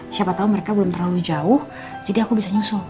siapa tahu mereka belum terlalu jauh jadi aku bisa nyusul